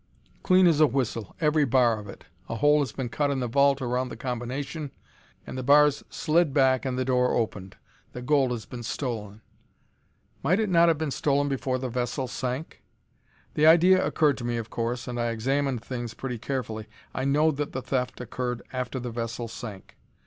"Clean as a whistle, every bar of it. A hole has been cut in the vault around the combination, and the bars slid back and the door opened. The gold has been stolen." "Might it not have been stolen before the vessel sank?" "The idea occurred to me of course, and I examined things pretty carefully. I know that the theft occurred after the vessel sank."